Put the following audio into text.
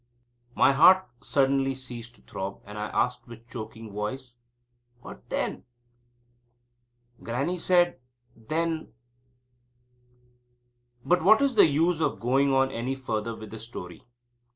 My heart suddenly ceased to throb, and I asked with choking voice: "What then?" Grannie said; "Then..." But what is the use of going on any further with the story?